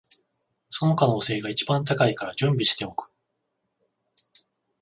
その可能性が一番高いから準備しておく